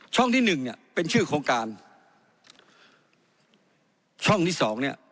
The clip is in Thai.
ที่หนึ่งเนี่ยเป็นชื่อโครงการช่องที่สองเนี่ย